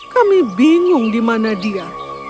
kami bingung di mana dia